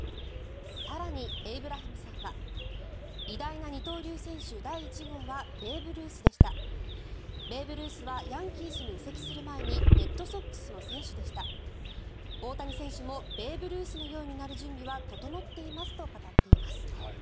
更にエイブラハムさんは偉大な二刀流選手第１号はベーブ・ルースでしたベーブ・ルースはヤンキースに移籍する前にレッドソックスの選手でした大谷選手もベーブ・ルースのようになる準備は整っていますと語っています。